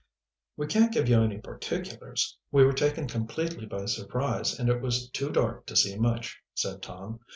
"We can't give you any particulars. We were taken completely by surprise, and it was too dark to see much," said Tom.